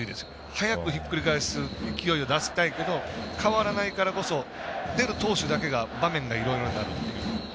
早くひっくり返す勢いを出したいけど変わらないからこそ出る投手だけが場面いろいろあるっていう。